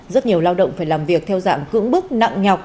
rất nhiều lao động phải làm việc theo dạng cững bức nặng nhọc